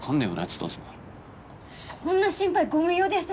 そんな心配ご無用です